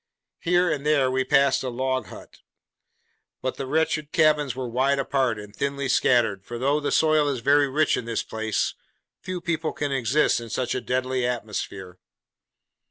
Here and there we passed a log hut: but the wretched cabins were wide apart and thinly scattered, for though the soil is very rich in this place, few people can exist in such a deadly atmosphere.